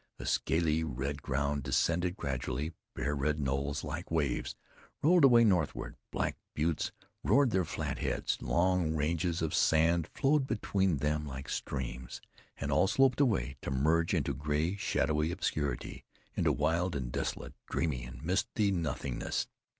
The scaly red ground descended gradually; bare red knolls, like waves, rolled away northward; black buttes reared their flat heads; long ranges of sand flowed between them like streams, and all sloped away to merge into gray, shadowy obscurity, into wild and desolate, dreamy and misty nothingness.